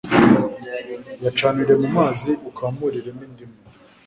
Yicanire mu mazi ukamuriremo indimu